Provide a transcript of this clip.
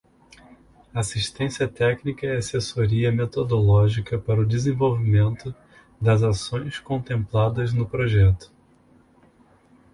Assistência técnica e assessoria metodológica para o desenvolvimento das ações contempladas no projeto.